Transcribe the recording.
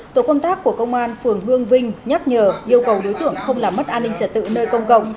tổ công tác của công an phường hương vinh nhắc nhở yêu cầu đối tượng không làm mất an ninh trật tự nơi công cộng